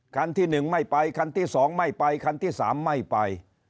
คันที่๑ไม่ไปคันที่๒ไม่ไปคันที่๓ไม่ไป